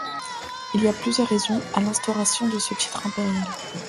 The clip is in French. Il y a plusieurs raisons à l'instauration de ce titre impérial.